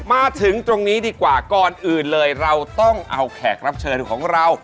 มาถึงตรงนี้ดีกว่าก่อนอื่นเลยเราต้องเอาแขกรับเชิญของเรา